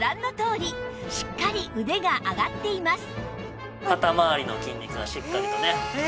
しっかり腕が上がっています